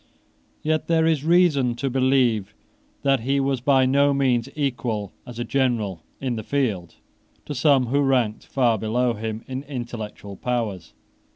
Yet there is reason to believe that he was by no means equal, as a general in the field, to some who ranked far below him in intellectual powers.